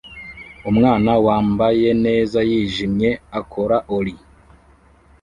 Umwana wambayenezayijimye akora ollie